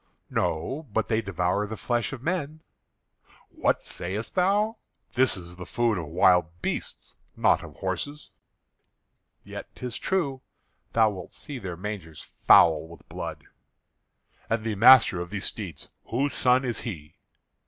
"No, but they devour the flesh of men." "What sayest thou? This is the food of wild beasts, not of horses." "Yet 'tis true. Thou wilt see their mangers foul with blood." "And the master of these steeds, whose son is he?"